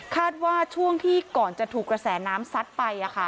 ว่าช่วงที่ก่อนจะถูกกระแสน้ำซัดไป